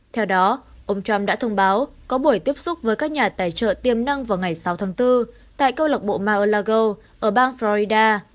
theo đó ông trump đã thông báo có buổi tiếp xúc với các nhà tài trợ tiềm năng vào ngày sáu tháng bốn tại câu lạc bộ mao ở bang florida